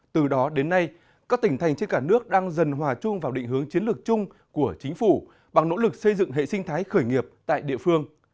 từ đó đến nay các tỉnh thành trên cả nước đang dần hòa chung vào định hướng chiến lược chung của chính phủ bằng nỗ lực xây dựng hệ sinh thái khởi nghiệp tại địa phương